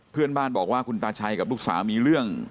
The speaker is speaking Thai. เพื่อนบ้านบอกว่าคุณตาชัยกับลูกสาวมีเรื่อง